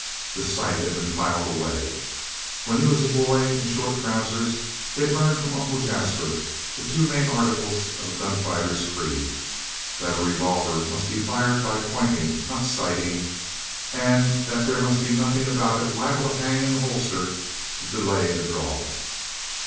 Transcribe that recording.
The sight had been filed away. When he was a boy in short trousers he had learned from Uncle Jasper the two main articles of a gun fighter's creed that a revolver must be fired by pointing, not sighting, and that there must be nothing about it liable to hang in the holster to delay the draw.